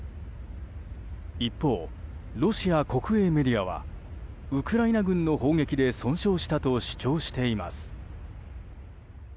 一方、ロシア国営メディアはウクライナ軍の砲撃で損傷したと主張しています。